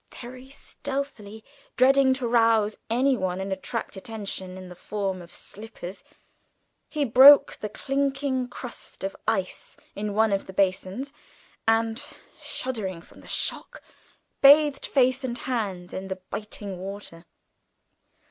Very stealthily, dreading to rouse anyone and attract attention in the form of slippers, he broke the clinking crust of ice in one of the basins and, shuddering from the shock, bathed face and hands in the biting water.